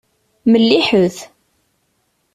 Melliḥet.